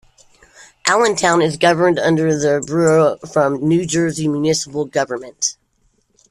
Allentown is governed under the Borough form of New Jersey municipal government.